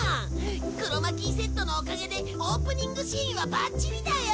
クロマキーセットのおかげでオープニングシーンはバッチリだよ！